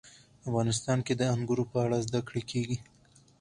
افغانستان کې د انګور په اړه زده کړه کېږي.